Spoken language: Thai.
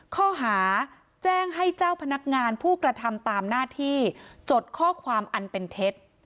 ข้อหาแจ้งให้เจ้าพนักงานผู้กระทำตามหน้าที่จดข้อความอันเป็นเท็จ